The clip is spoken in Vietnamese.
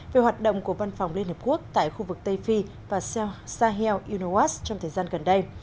về hoạt động của văn phòng liên hợp quốc tại khu vực tây phi và sahel unowas trong thời gian gần đây